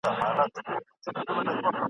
له اسمانه درته زرکي راولمه ..